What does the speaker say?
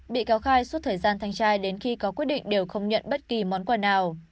bị cáo khai suốt thời gian thanh tra đến khi có quyết định đều không nhận bất kỳ món quà nào